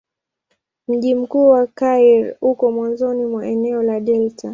Mji mkuu wa Kairo uko mwanzoni mwa eneo la delta.